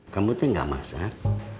kamu tuh gak masak